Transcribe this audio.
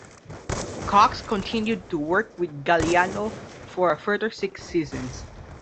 Cox continued to work with Galliano for a further six seasons.